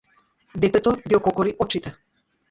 Детето ги ококори очите.